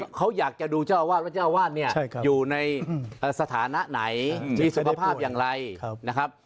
เขาอยากจะดูเจ้าอาวาสว่าเจ้าอาวาสเนี่ยอยู่ในสถานะไหนมีสุขภาพอย่างไรนะครับ